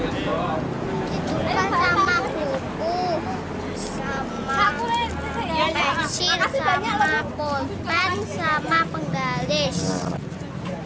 ditukar sama buku sama pensil sama pen sama penggaris